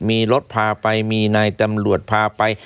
มีรถพาไปมีนายตำรวจพาไป